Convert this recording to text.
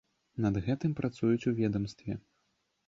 Над гэтым працуюць у ведамстве.